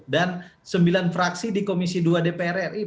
dan sembilan fraksi di komisi dua dpr ri